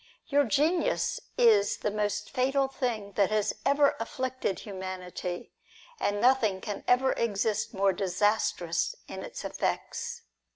Your genius is the most fatal thing that has ever afflicted humanity, and nothing can ever exist more disastrous in its effects."